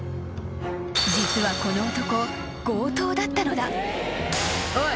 ［実はこの男強盗だったのだ］